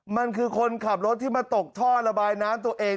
มันคือคนขับรถที่มาตกท่อระบายน้ำตัวเอง